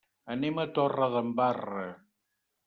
Anem a Torredembarra.